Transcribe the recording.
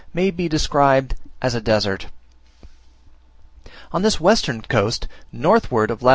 may be described as a desert; on this western coast, northward of lat.